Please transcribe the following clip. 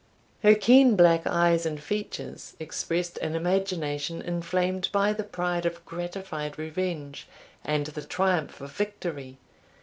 Her keen black eyes and features expressed an imagination inflamed by the pride of gratified revenge, and the triumph of victory.